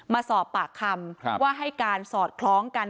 มาสอบปากคำว่าให้การสอดคล้องกัน